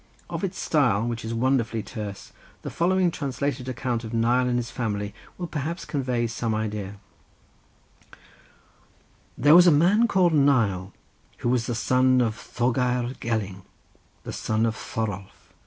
Of its style, which is wonderfully terse, the following translated account of Nial and his family will perhaps convey some idea:— "There was a man called Nial who was the son of Thorgeir Gelling, the son of Thorolf.